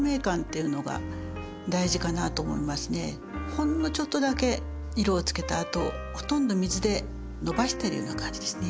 ほんのちょっとだけ色をつけたあとほとんど水でのばしてるような感じですね。